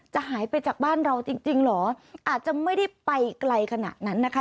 หายไปจากบ้านเราจริงจริงเหรออาจจะไม่ได้ไปไกลขนาดนั้นนะคะ